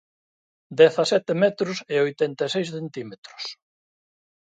Dezasete metros e oitenta e seis centímetros.